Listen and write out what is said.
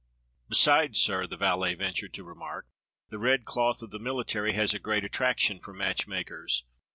"Besides, sir," the valet ventured to remark, "the red cloth of the military has a great attraction for match makers.